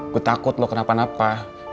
gue takut lo kenapa napa